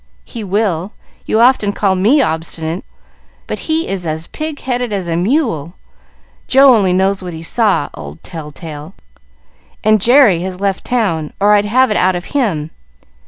"He will. You often call me obstinate, but he is as pig headed as a mule; Joe only knows what he saw, old tell tale! and Jerry has left town, or I'd have it out of him.